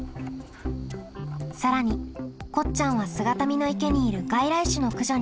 更にこっちゃんは姿見の池にいる外来種の駆除にも参加。